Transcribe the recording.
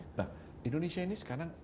nah indonesia ini sekarang